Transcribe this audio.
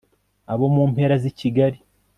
abo mumpera zi kigali